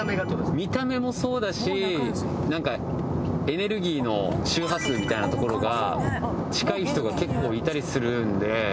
見た目もそうだしなんかエネルギーの周波数みたいなところが近い人が結構いたりするんで。